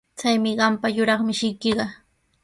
Chaymi qampa yuraq mishiykiqa.